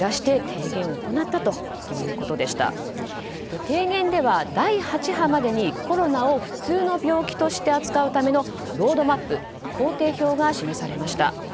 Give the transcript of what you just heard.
提言では第８波までにコロナを普通の病気として扱うためのロードマップ工程表が示されました。